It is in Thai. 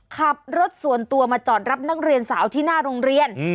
ขับรถส่วนตัวมาจอดรับนักเรียนสาวที่หน้าโรงเรียน